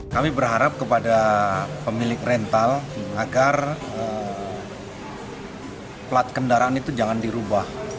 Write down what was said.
kami berharap kepada pemilik rental agar plat kendaraan itu jangan dirubah